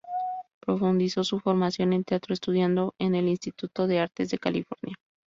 Profundizó su formación en teatro estudiando en el Instituto de Artes de California.